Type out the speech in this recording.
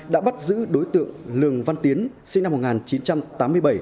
đã bắt giữ đối tượng lường văn tiến sinh năm một nghìn chín trăm tám mươi bảy